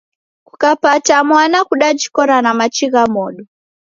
Kukapata mwana kudajikora na machi gha modo